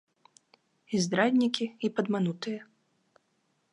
І здраднікі, і падманутыя.